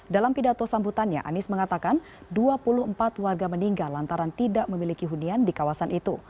dalam pidato sambutannya anies mengatakan dua puluh empat warga meninggal lantaran tidak memiliki hunian di kawasan itu